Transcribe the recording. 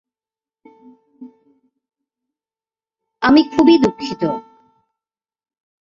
আমি খুবই দুঃখিত।